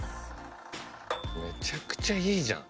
めちゃくちゃいいじゃん。